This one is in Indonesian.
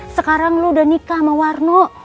sekarang lo udah nikah sama warno